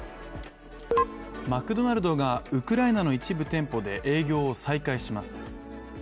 マクドナルドがウクライナの一部店舗で営業を再開します。